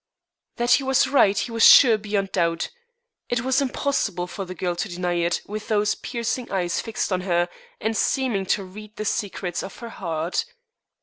That he was right he was sure now beyond doubt. It was impossible for the girl to deny it with those piercing eyes fixed on her, and seeming to read the secrets of her heart.